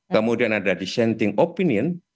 kemudian ada dissenting opinion